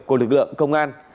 của lực lượng công an